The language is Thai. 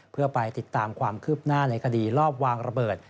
เพื่อไปติดตามความคืบหน้าในคดีลอบวางระเบิด